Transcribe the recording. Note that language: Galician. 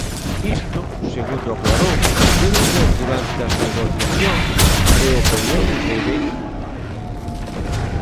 Isto, segundo aclarou, "debe ser durante as negociacións e o período de venda".